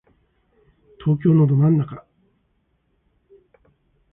東京のど真ん中